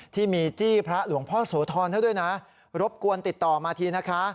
ที่มีจี้พระหลวงพ่อโสธรเขาด้วยนะรบกวนติดต่อมาทีนะคะ